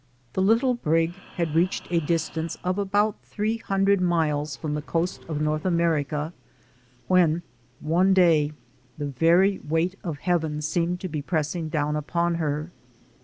The little brig had reached a distance of about three hundred miles from the coast of North Amer ica, when one day the very weight of heaven seemed to be pressing down upon her.